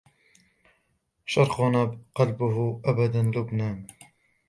شرقنا قلبه أبداً لبنان